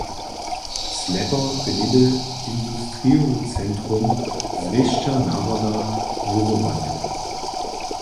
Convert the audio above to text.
Slepo bě něhdy industrijowy centrum, zwěsća nawoda wurywanjow.